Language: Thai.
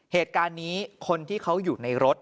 เหตุการณ์นี้คนที่เขาอยู่ในรถ